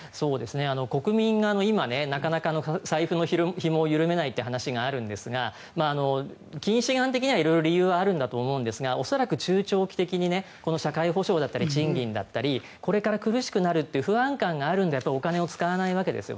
国民が今なかなか財布のひもを緩めないという話があるんですが近視眼的には色々理由はあると思いますが中長期的に社会保障だったり賃金だったりこれから苦しくなるという不安感があるとお金を使わないんです。